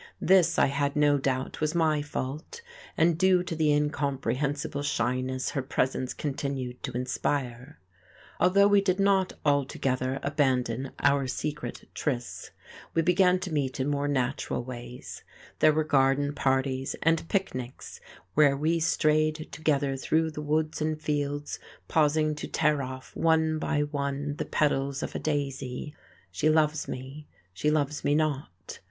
This, I had no doubt, was my fault, and due to the incomprehensible shyness her presence continued to inspire. Although we did not altogether abandon our secret trysts, we began to meet in more natural ways; there were garden parties and picnics where we strayed together through the woods and fields, pausing to tear off, one by one, the petals of a daisy, "She loves me, she loves me not."